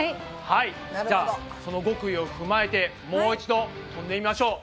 はいじゃあその極意を踏まえてもう一度とんでみましょう！